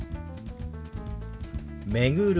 「巡る」。